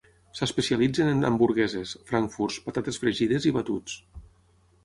S'especialitzen en hamburgueses, frankfurts, patates fregides i batuts.